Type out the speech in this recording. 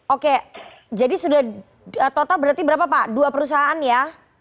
oke jadi sudah total berarti berapa pak dua perusahaan ya